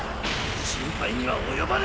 心配には及ばぬ！